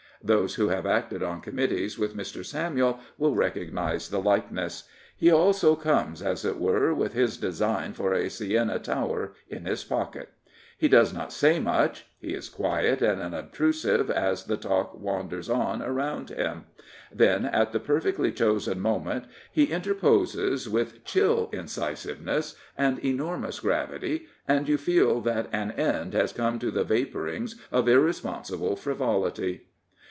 Those who have acted on committees with Mr. Samuel will recognise the likeness. He also comes, as it were, with his design for a Siena tower in his pocket. He does not say much. He is quiet and unobtrusive as the talk wanders on around him. Then, at the 255 Prophets, Priests, and Kings perfectly chosen moment, he interposes with chill ipcisiveness and enormous gravity, and you feel that an end has come to the vapourings of irresponsible frivolity.